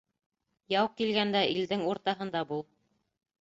Яу килгәндә илдең уртаһында бул.